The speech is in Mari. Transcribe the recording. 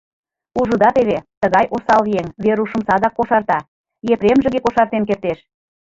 Ужыда теве, тыгай осал еҥ Верушым садак кошарта, Епремжыге кошартен кертеш.